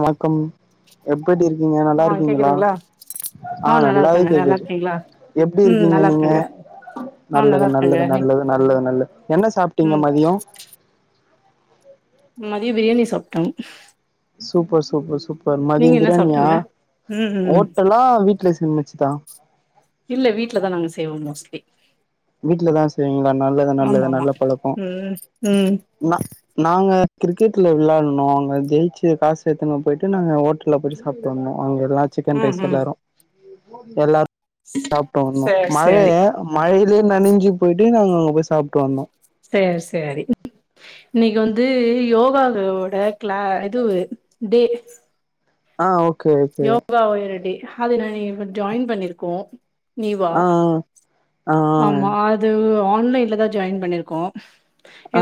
வணக்கம் எப்புடி இருக்கீங்க நல்லா ஆ இருக்கீங்களா கேக்குதுங்களா ஆ நல்லா நல்லாவே இருக்கங்க நல்லா கேக்குது இருக்கீங்களா எப்டி ம் இருக்கீங்க நல்லா நீங்க இருக்கங்க ஆ நல்லா நல்லது இருக்கங்க நல்லது நீ நல்லது நல்லது நல்லது என்ன சாப்டீங்க ம் மதியோ மதியோ பிரியாணி சாப்ட்டோங் சூப்பர் சூப்பர் சூப்பர் மதியம் என்ன பிரியாணியா சாப்ட்டீங்க ம் ம் ஹோட்டலா வீட் வீட்ல சமச்சுதா இல்ல வீட்லதா நாங்க செய்வோ மோஸ்ட்லி வீட்லதா செய்வீங்களா நல்லது ஆமா நல்லது ஆமா நல்ல பழக்கோ ம் ம் நா நாங்க கிரிக்கெட்ல விளான்னோ அவங்க ஜெயிச்சு காசு எடுத்துன்னு போயிட்டு நாங்க ஹோட்டல்ல போயிட்டு சாப்ட்டு வந்தோ அங்க இருந் எல்லா சிக்கன் ம் ரைஸ் ம் எல்லாரு எல்லார் சாப்ட்டு வந்தோ சேரி மழைய சேரி மழை ல நனஞ்சு போயிட்டு நாங்க அங்க போய் சாப்டு வந்தோ சேர் சேரி இன்னைக்கு வந்து யோகாருவோட க்ளா இதுவு டே ஆ ஓ யோகா [unintelligible] டே அது நாங்கே ஜாயின் பண்ணிருக்கோ நீ வா ஆ ஆ ஆ ஆமா அது ஆன்லைன்ல தா ஜாயின் பண்ணிருக்கோ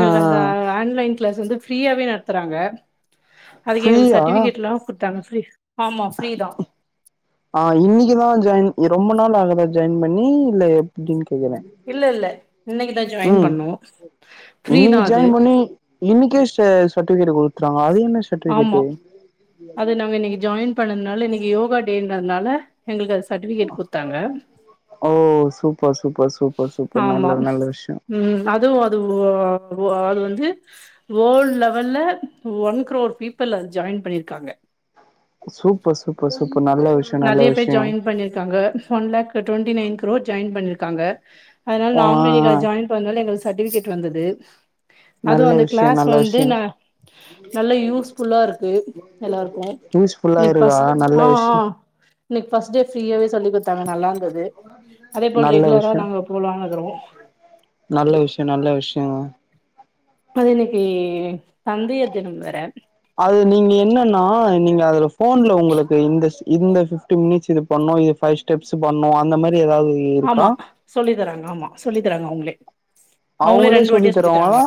ஆ அந்த ஆன்லைன் கிளாஸ் வந்து ஃப்ரீயாவே நடத்துறாங்க அதுக்கு எங்களுக்கு ஃப்ரீயா சர்டிஃபிகேட்லா குத்தாங்க ஃப்ரி ஆ இன்னிக்குதா ஜாயின் ரொம்ப நாள் ஆகு தா ஜாயின் பண்ணி இல்ல எப்டின் இல்லல்ல இன்னைக்குதா ஜாயின் ம் பண்ணோ இன்னைக்கு ஜாயின் பண்ணி இன்னைக்கே ஸ சர்டிஃபிகேட் குடுத்துட்டா ஆமா அது நாங்க இன்னைக்கு ஜாயின் பண்ணதுனால இன்னக் கி யோகா டேன்றதுனால எங்களுக்கு அது சர்டிஃபிகேட் குத்தாங்க ஓ சூப்பர் சூப்பர் சூப்பர் சூப்பர் ஆமா நல்ல நல்ல விஷயோ ம் அதுவு அதுவு அது வந்து வேல்ட் லெவல்ல ஒன் க்ரோர் பீப்பிள் அதில் ஜாயின் பண்ணிருக்காங்க சூப்பர் சூப்பர் சூப் நறைய பேர் ஜாயின் பண்ணிருக்காங்க one lakh twenty nine crore join பண்ணிருக்காங்க அதுனால் ஆ நாங்களு இதுல ஜாயின் பண்ணதுனால எங்களுக் சர்ட்டிஃபிகேட் வந்தது அதுவு நல்ல அந்த விஷயோ க்ளாஸ் நல்ல வந்து விஷயோ ந நல்ல யூஸ் ஃபுல்லா இருக்கு எல்லாருக்கு யூஸ்ஃபுல்லா இன்னைக்கு இருக்கா பஸ் நல்ல ஆ ஆ விஷயோ இன்னைக் ஃபஸ்ட் டே ஃப்ரீயாவே சொல்லி குடுத்தாங்க நல்லாருந்த நல்ல விஷயோ போலான்னு இருக்குறோ. நல்ல விஷயோ நல்ல விஷயங்க அது இன்னக்கு தந்தையர் தினம் வேற அது நீங்க என்னனா நீங்க அதுல போன்ல உங்களுக்கு இந்த இந்த பீப்டி மினிட்ஸ் இது பண்ணோ பை ஷ்ப்ஸ் பண்ணோ அந்த மாரி ஏதாவது இருக்கா ஆமா சொல்லி தராங்க ஆமா சொல்லி தராங்க அவுங்களே அவுங்களே சொல்லி தருவாங்களா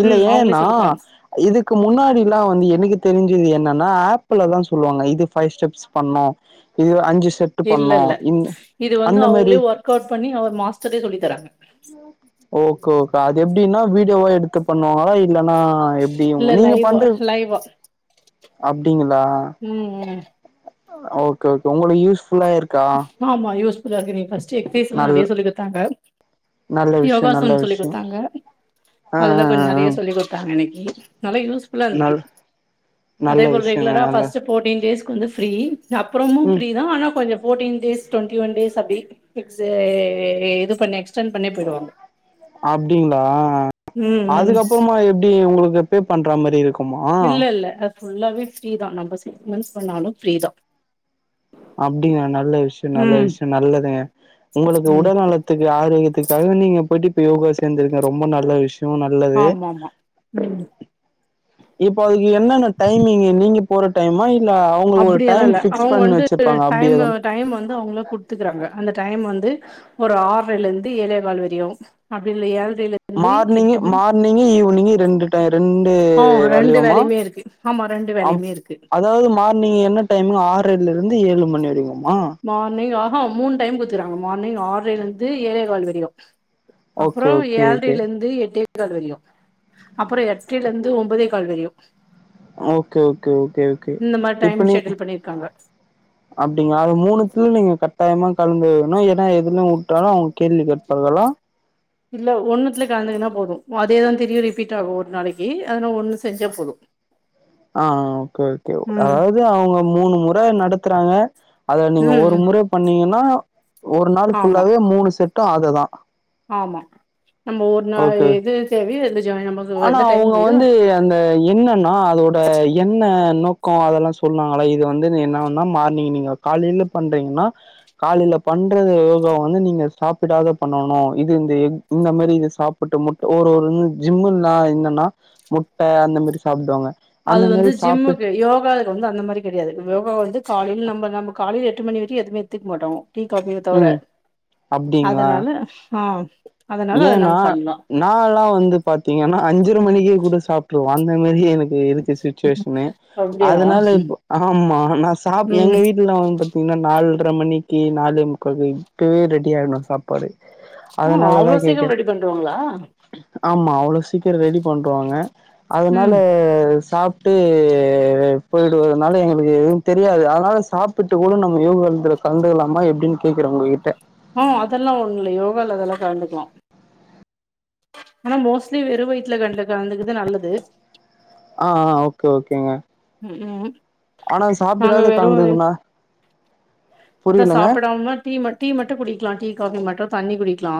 இல்ல ம் அவங்களே ஏன்னா சொல்லி தராங்க. இதுக்கு முன்னாடில்லா வந்து எனக்கு தெரிஞ்சது என்னன்னா ஆ ஆப் லா தா சொல்லுவாங்க இது பைவ் ஸ்டெப்ஸ் பண்ணோ இது அஞ்சு செட்டு இல்ல பண்ணு இல்ல இந் இது வந்து அந்த மாரி அவுங்ளே ஒர்க் அவுட் பண்ணி அவர் மாஸ்டரே சொல்லி தராங்க ஓக்கே ஓகே அது எப்டின்னா வீடியோவா எடுத்து பண்ணுவாங்களா இல்லனா எப்டி இல்ல நீங்க லைவா பண்றது லைவா அப்டிங்களா ம் ம் ஓக்கே ஓக்கே உங்க யூஸ் ஃபுல்லாய் இருக்கா புறா கிரி பைஸ் ச்சி பீஸ்ல நல் நெறய சொல்லி குதாங்க நல்ல விஷயோ நல்ல யோகாசனம் சொல்லி விஷயோ கொடுத்தாங்க ஆ அதுல ஆ ஆ கொஞ்சோ ஆ நெறய சொல்லி் குடுத்தாங்க இன்னைக்கு நல்லா யூஸ்ஃபுல்லா இருக்குது நல் நல்ல அதே போல விஷயங்க ரெகுலரா நல்ல ஃபஸ்டே போர்டீன் டேஸ் கொஞ்சோ ஃப்ரீ அப்புறமு ம் ஃப்ரீதானக்ஷ ஆனா கொஞ்சோ fourteen days twenty one days அப்டி எக்ஸு இது பண்ணி எக்ஸ்டெட் பண்ணி போயிடுவோ அப்டிங்ளா ம் ம் அதுக்கப்ரமா எப்டி உங்களுக்கு இல்ல பே பண்ற மாரி இருக்கு இல்ல இல்ல அ ஃபுல்லாவே ஃப்ரீ தா நம்ம சிக்ஸ் மந்த் பண்ணாலு ஃப்ரீ தா அப்டிங்கா நல்ல விஷயோ நல்ல ம் விஷயோ நல்லதுங்க உங்க ம் உடல்நலத்துக்கு ஆரோக்கியதுக்காக நீங்க போயிட்டு யோகா சேந்திருக்கே ரொம்ப நல்ல விஷய ஆமாம்மா இப்போ வந்து என்னென்ன டைமிங்கு நீங்க போறதூ அப்டிய லா இல்ல அவுங்க பண்ணி வந்து வச்சிருப்பாங்க டைம் அப்டியேதா டைம் வந்து அவுங்க குடுத்துகறாங்க அந்த டைம் வந்து ஒரு ஆர்றேல இருந்து ஏலே கால் வரியோ அப்டின்னு ஏல் மார்னிங் மார்னிங் ஈவினிங் ரெண்டு டைம் ரெண் இது ஆ ரெண்டு வல்லியமா வேலையுமே இருக்கு ஆமா ரெண்டு அம் வேலையுமே இருக்கு அதாது மார்னிங் என்ன டைமு ஆர்றைல இருந்து ஏழு மணி வரை [unintelligible] மார்னிங்கா ஆ மூணு டைம் குத்துறாங்க மார்னிங் ஆர்றைல இருந்து ஏழேக்கால் வரையு ஓகே அப்பறம் ஓகே ஓகே ஏல்ரையில இருந்து எட் கால் வறையு அப்பறம் எட்றைல இருந்து ஒன்பதே கால் வறையு ஓகே ஓகே ஓகே ஓகே மாரி டைம் இப்ப நீ ஷெட்யூல் பண்ணிருக்காங்க அப்டி அது மூணுத்தியு நீங்க கட் டைமுக்கு கெளம்பி வரனு ஏன்னா எதுல விட்டாலு அவங்க கேள்வி கேப்பாங்களா இல்ல ஒண்ணுத்துல கலந்துங்கன்னா போது அதேதா திரியு ரிப்பீட் ஆகு ஒரு நாளைக்கு அதனால ஒண்ணு செஞ்சா போது ஆ ஓகே ஓகே ம் அதாது அவுங்க மூணு முற நடத்துறாங்க அத நீங்க ம் ஒரு ம் முற பண்ணீங்கன்னா ஒரு நாள் ஆமா ஃபுல்லாவே மூணு செட் ட்டு அத தா ஆமா நம்ம ஒரு நாள் ஓகே எது தேவையோ எது ஜாயின் நமக்கு ஆனா எந்த டைம் அவுங்க முடியுதோ வந்து அந்த என்னன்னா அதோட என்ன நோக்க அதெல்லா சொன்னாங்கள இது வந்து என்னா மார்னிங் நீங்க காலையில பண்றீங்கன்னா காலையில பண்ற யோகாவ வந்து நீங்க சாப்பிடாத பண்ணணு இது இந்த இந்த மாரி இ சாப்பிட்டு முட் ஒரு ஒரு ஜிம்முன்னா என்னன்னா முட்ட அந்த மாரி சாப்பிடுவாங்க அது வந்து ஜிம்முக்கு யோகாக்கு வந்து அந்த மாரி கெடையாது யோகா வந்து கால நம்ம நம்ம காலையில எட்டு மணிவரையு எதுமே எத்துக்க மாட்டோ டீ காபிய‌ தவற ம். அப்டிங்களா? அதனால ஆ அதனால அத ஏன்னா நம்ம பண்லா நால்லா வந்து பாத்தீங்கன்னா அஞ்சர மணிக்கே கூட சாப்ட்ருவ அந்த மாரி எனக் இருக்கு சுச்சுவேஷனு அப்டியா அதனால இப்போ ஆ ம்மா ந சாப் ம் எங்க வீட்ல வந்து பாத்தீங்கன்னா நாள் த்தர மணிக்கு நாலு முக்காகு இப்பவே ரெடி ஆகிடணு சாப்பாடு ஆ அவ்ளோ அதனாலதாப் சீக்கிரோ ரெடி பண்ட்ருவாங்களா ஆமா அவ்ளோ சீக்கிரோ ரெடி பண்ட்ருவாங்க அதனால ம் சாப்ட்டு போயிடுவனால எங்களுக்கு எதுவு தெரியாது அதனால சாப்ட்டு கூட நம்ம யோகத்தில கலந்துக்கலாமா எப்பிடின்னு கேட்குறோ உங்க்கிட்ட ஆ அதெல்லா ஒண்ணு இல்ல யோகால அதெல்லா கலந்துக்கலா ஆனா மோஸ்ட்லி வெறு வயித்துல கண்டு கலந்துக்குறது நல்லது ஆ ஆ ஓகே ஓகேங்க ம் ம் ஆனா நாங்க சாப்பிடாத கலந்துகிண்ணா தா சாப்பிடாம டீ ம டீ மட்டு குடிக்கலா டீ காபி மட்டு தண்ணி குடிக்கலா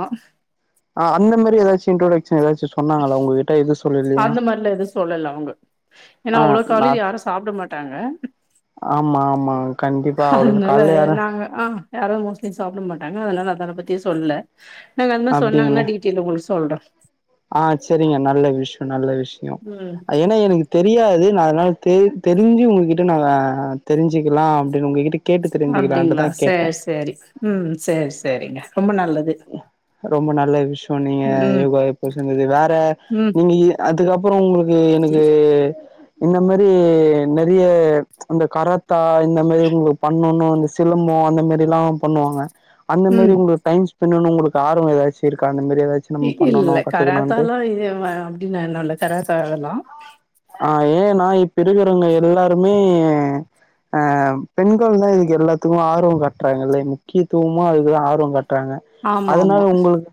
அ அந்த மாரி எதாச்சு இன்ட்டடோக்ஸன் எதாச்சி சொன்னாங்களா உங்ககிட்ட எது சொல்லலையா அந்த மாரிலா எது சொல்லல அவுங்க ஏன்னா ஆ அவ்ளோ நா காலில யாரு சாப்பிடமாட்டாங்க ஆமா ஆமா கண்டிப்பா அவ்வளவு அனால கால்ல யாரு நாங்க ஆ யாரு மோஸ்ட்லி சாப்பிடமாட்டாங்க அதனால அதான பத் த்தி சொல்ல நாங்க அந்த மா அப்டிங்கள சொன்னாங்கன்னா டீடேல் உங்களுக்கு சொ சொல்றே ஆ சேரிங்க நல்ல விஷ்யோ நல்ல விஷ் ஷயம் ம் ஏன்னா எனக்கு தெரியாது அனால தெ தெரிஞ்சி உங்ககிட்ட ந தெரிஞ்சுக்கலா அப்பிடின்னு உங்ககிட் அப்பிடிங்களா சேரி சேரி ம் சேரி சேரிங்க ரொம்ப நல்லது ரொம்ப நல்ல விஷ்ய சொன்னீங்க ம் யோகா எப்போ சந்தது வேற ம் நீங்க இ அதுக்கப் ப்றோ உங்ளுக் க்கு எனக்கு இந்த மேரி நெறைய இந்த கரத்தா இந்த மேரி உங்களுக்கு பண்ணணு இந்த சிலம்போ அந்த மேரில்லா பண்ணுவாங்க அந்த மேரி ம் உங்க டைம்ஸ் பின்னான்னு உங்களுக்கு ஆர்வம் ஏதாச்சி இருக்கா ஏதாச்சு நம்ம இல்ல பண்ணணு கத்துக்கணுன்ட்டு கராத்தாலா இ வ அப்பிடின் நான் என்ன இல் கராத்தெல்லா ஆ ஏன்னா இப்பகிறவங்க எல்லாருமே ஆ பெண்கள்தா இதுக்கு எல்லாத்துக்கு ஆர்வம் காட்டுறாங்க இல்லை முக்கியத்துவமா அதுக்குதா ஆர்வம் காட்டுறாங்க ஆமா அதனால ஆமா உங்களுக்கு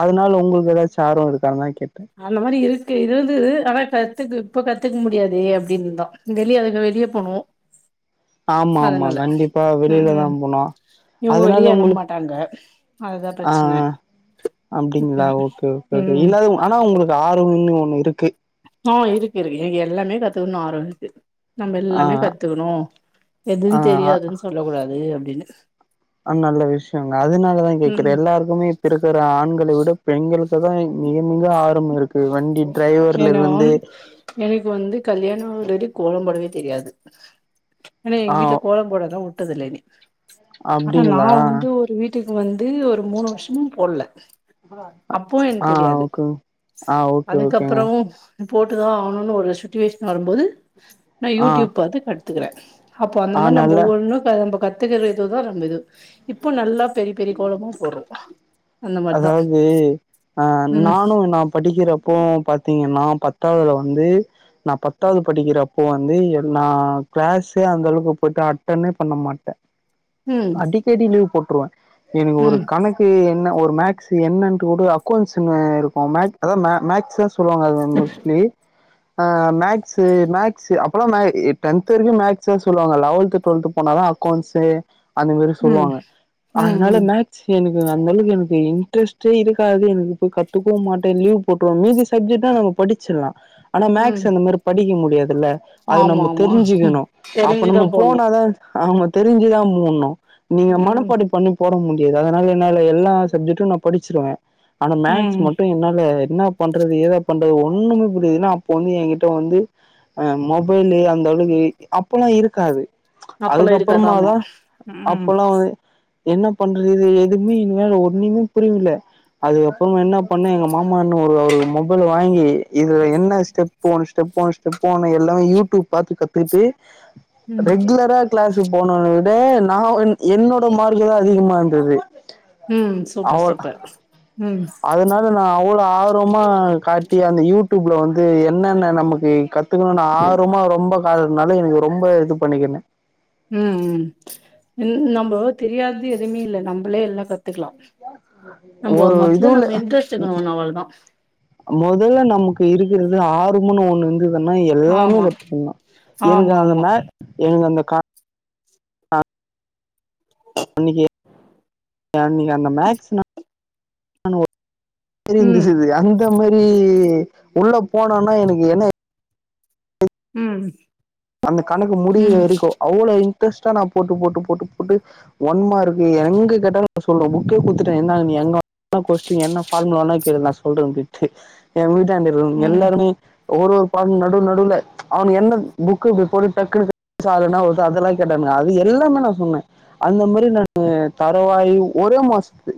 அதனால உங்களுக்கு ஏதாச்சும் ஆர்வம் இருக்காங்க கே அது மாதிரி இருக் கு இருந்து ஆனா கத்துக்க இப்ப கத்துக்க முடியாதே அப்படின்னுதான் வெளியே அதுக்கு வெளியே போனும் ஆமா ஆமா கண்டிப்பா ம் வெளியிலதான் போனோம் இவங்க அதனால வெளிய அனுப்ப உங்களுக் மாட்டாங்க அதுதா ஆ பிரச்சன ஆஅப்படிங்களா ம் ஓகே ஓகே ம் இல்ல ஆனா உங்களுக் ஆர்வம்ன்னு ஒன்னு இருக்கு ஆ இருக்கு இருக்கு எனக்கு எல்லாமே கத்துக்கணும் ஆர்வம்இருக்கு நம்ம ஆ எல்லாமே கத்துக்கணும் ஆ எதுன்னு தெரியாதுன்னு சொல்ல கூடாது என் எஸ் அது நல்ல விஷயங்க அதனாலதான் கேக்குறேன் ம் எல்லாருக்குமே இப்ப இருக்கிற ஆண்களை விட பெண்கள் தான் மிக மிக ஆரம்போ இருக்கு வண்டி டிரைவர்ல ஏனா இருந்து எனக்கு வந்து கல்யாணம் ஆனதுலருந்து கோலம் போடவே தெரியாது ஏனா எங்க ஆ வீட்டுல கோலம் போடதான் விட்டதில்லனே அப்டிங்களா வீட்டுக்கு வந் து ஒரு மூணு வருஷமோ போடல அப்போவும் எனக்கு ஆ தெரியாது ஓகே ஆ ஓகே அது ஓகேங்க கப்றோம் போட்டுதான் ஆகணும்னு ஒரு சுட்டுவேஷன் வரும்போது நான் யூ ஆ டியூப் பாத்து கத் கத்துக்குறேன் அப்போ அந்த ஆ மாதிரி நம்ப நல்ல ஒன்னும் க நம்ப கத் கத்துக்கறது தான் நல்லது இப்போ நல்லா பெரிய பெரிய கோலமா போடுறோம் அதாவது அ ம் நானும் நான் படிக்கறப்போவும் பாத் திங்கன்னா பத்தாவதுல வந்து நா பத்தாவது படிக்கிறப்போ வந்து நா கிளாஸே அந்த அளவுக்கு போயிட்டு அட்டன்னே பண்ண மாட்டேன் ம் அடிக்கடி லீவு போட் குடுவேன் எனக்கு ஒரு ம் கணக்கு என்னா ஒரு மேக்ஸ் என்னன்ட்டு கூட அக்கௌண்ட்ஸ்ல இருக்கோம் மேக் அதாவது மேக்ஸ் சொல்வாங்க அது மோஸ்ட்லி ஆ மேக்ஸு மேக்ஸு அப்பல்லா மே டென்த்து வரைக்கு மேக்ஸ்தா சொல்வாங்க லெவல்த்து டுவெல்த்து போனாதா அக்கௌன்சு அந்த மாரி ம் சொல்லுவாங்க ம் அதுனால ம் மேக்ஸு என க்கு அந்தளவுக் என க்கு இன்ட்ரெஸ்ட்டே இருக்காது எனக்கு கத்துக்கவு மாட்டே லீவ் போட்ருவே மீதி சப்ஜெக்ட்னா நம்ம படிச்சிர்லா ஆனா ம் மேக்ஸ் அந்த மாரி படிக்க மு துல்ல அது ஆமா நம்ம ஆமா தெரிஞ்சுகனு அப்ப தெரிஞ்சுதா நம்ம போடணு போனாதா ஆமா தெரிஞ்சிதா போட்னு நீங்க ம் மனப்பாட பண்ணி போட மு டியது அதுனால என்னால எல்லா சப்ஜக்டு நா படிச்சிருவே ஆனா மேக்ஸ் ம் மட்டு என்னால என்னா பண்றது ஏதா பண்றது ஒன்னுமே புரியது ஏன்னா அப்ப வந்து எங்கிட்ட வந்து அ மொபைலு அந்த அளக்கு அப்பல்லா இருக்காது அப்பல்லா இருக்காதாமா அதுக்கப்புறமாதா ம் அப்பல்லா வந்து என்ன பண்றது இது எதும்மே [unintelligible] ஒ ன்னுமே புரில அதுக்கப்றமா என்னா பண்ணே எங்க மாமான்னு ஒரு அவரு மொபைல் வாங்கி இதுல என்ன ஸ்டெப் போ ஸ்டெப் போனு ஸ்டெப் போனு எல்லா ‌யூ டூப் பாத்து கத்துகுட்டு ம் ரெகுலரா க்ளாஸு போனவன விட நா என்னோட மார்க்கு தா அதிகமா இந்தது ம் சூப்பர் சூப்பர் ம் ள ஆர்வமா காட்டி அந்த யூடியூப்ல வந்து என்னென்ன நமக்கு கத் துக்கனுன் ஆர்வமா ரொம்ப [unintelligible] எனக்கு ரொம்ப இது பண்ணிக்கின்னே ம் ம் நம்ப தெரியாது எதும்மே இல்ல நம்பளே எல்லா கத்துக்லா ஒரு இதுவுல இன்ட்ரெஸ்ட் இருக்கணு ஒன்னு அவ்ளோதா மொதல்ல நமக்கு இருக்குறது ஆருமன்னு ஒன்னு இந்ததுன்னா எல்லாமே ஆமா கத்துக்கலா எனக்கு ஆமா அந்த ஆமா மா எனக்கு அந்த கா அன்னைக்கி அன்னைக்கி அந்த மேக்ஸ்னா [unintelligible] ம் [unintelligible] அந்த மாதிரி உள்ள போனோனா எனக்கு என்ன உம் அந்த கணக்கு முடியுற வரைக்கு அவ்ளோ இன் இன்ட்ரஸ்டா நா போட்டு போட்டு போட்டு போட்டு ஒன் மார்க்கு எங்க கேட்டாலு நா சொல்லுவே புக்கே குடுத்துட்டே நி என்ன வேனுனாலு கொஸ்டின் என்ன ஃபார்முலானாலு கேளு நா சொல்றே அப்டின்ட்டு எ வீட்டு ம் எல்லாருமே ஒரு-ஒரு பாட நடுவு நடுவுல அவன் என்ன புக்கு இப்டி போட்டு டக்குனுலைனா அதெல்லா கேட்டானுங்க அது எல்லாமே நா சொன்னே அந்த மாதிரி நானு தரோவாயூ ஒரே மாசத்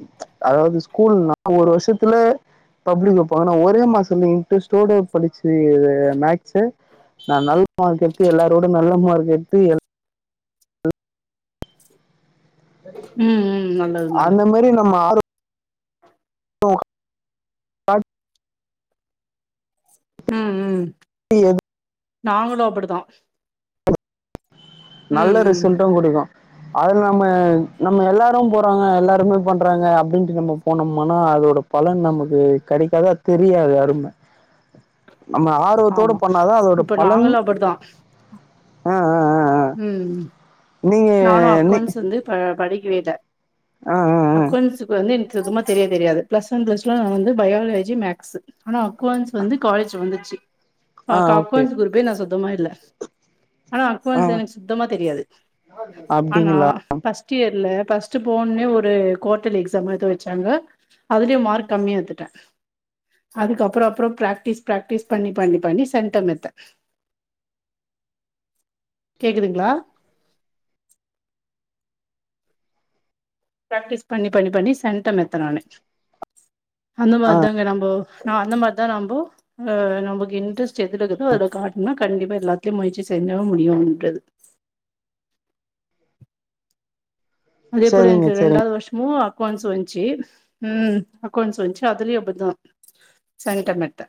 அதாவது ஸ்கூல்னா ஒரு வருஷத்துல பப்ளிக் வெப்பாங்கனா ஒரே மாசத்துல இன்ட்ரெஸ்ட்டோட படிச்சு இது இது மேக்ஸு நா நல் கேட்டு எல்லாரோட நல்ல மார்க் எடுத்து ம் ம் நல்லது அந்த நல்லது மாரி நம்ம ஆர [unintelligible] உம்-உம் [unintelligible] சது நாங்களு அப்டிதா நல்ல ரிசல்ட்டொ கொடுக்கோ அதுல நம்ம நம்ம எல்லாரு போறாங்க எல்லாருமே பண்றாங்க அப்டின்டு நம்ம போனோம்மனா அதோட பலன் நமக்கு கெடைக்காத தெரியாது அரும நம்ம ஆர்வத்தோடு ஆமா பண்ணாத அதோட இப்ப பலன் நாங்களு அப்படித்தா ஆ ஆ ஆ ஆ. ம்ம் நீங்க நானு நீ அக்கௌண்ட்ஸு வந்து ப படி புரியல்ல ஆ ஆ ஆ அக்கோண்சுக்கு வந்து இன் சும்மா தெரிய தெரியாது பிளஸ் ஒன் பிளஸ் வந்து பயாலஜி மேக்ஸ் ஆனா அக்கோண்ஸ் வந்து காலேஜ் வந்துச்சு ஆ ஆக்கோண்ஸ் குருப்பே நா சுத்தமா இல்ல ஆன ஆ அக்கொண்ஸ் சுத்தமா தெரியாது ஆனா அப்படிங்களா பஸ்டு எ இல்ல பஸ்டு போன்னே ஒரு குவாட்டலி எக்சாம் எமுத வச்சாங்க அதுலயு மார்க் கம்மியா எடுத்துட்டே அதுக்கு அப்றோ அப்றோ பிராக்டிஸ் பிராக்டிஸ் பன்னி பன்னி பன்னி சென்ட்டம் எடுத்தே கேக்குதுங்ளா பிராக்டிஸ் பன்னி பன்னி பன்னி சென்ட்டம் எடுத்தே நானு அந்த ஆ மாரி தாங்க நம்போ ஆ அந்த மாரிதா நம்போ ஆ நமக்கு இன்ட்ரெஸ்ட் எது இருக்தோ அதுல காட்டுனா கண்டிப்பா எல்லாத்முயற்சி செஞ்சா முடியும்ன்றது அதே போல சரிங்க எனக்கு சரிங்க ரெண்டாவது வருஷமு அ கொவாண்ஸ் வச்சி ம் அக்கௌண்ட்ஸ் வச்சி அதுலியு அப்பதா சங்ட்டமெட்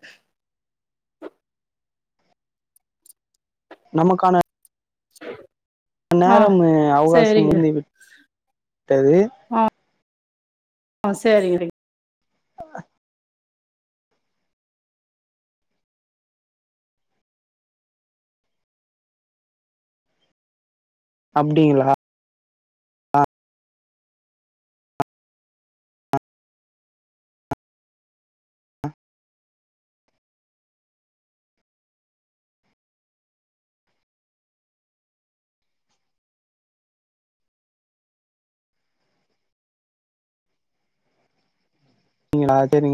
நமக்கான சரி நேரம் அவகாசம் முடிந்விட்டது ஆ சேரிரி ஆ அப்பிடிங்களா நீங்களா சேரிங்க